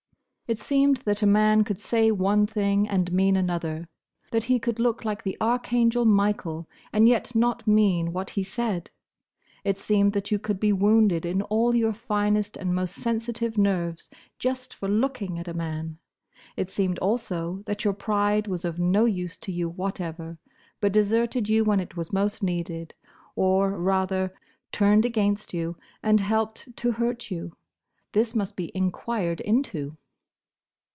It seemed that a man could say one thing and mean another: that he could look like the Archangel Michael and yet not mean what he said. It seemed that you could be wounded in all your finest and most sensitive nerves just for looking at a man. It seemed also, that your pride was of no use to you whatever, but deserted you when it was most needed, or, rather, turned against you, and helped to hurt you. This must be enquired into.